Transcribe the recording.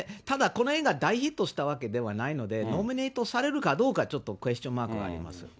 ただこの映画、大ヒットしたわけではないので、ノミネートされるかどうか、ちょっとクエスチョンマークはあります。